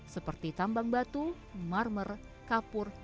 seperti tambang batu marmer kapur